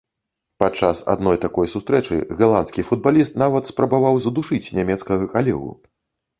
Падчас адной такой сустрэчы галандскі футбаліст нават спрабаваў задушыць нямецкага калегу.